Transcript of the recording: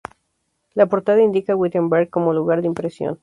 La portada indica Wittenberg como lugar de impresión.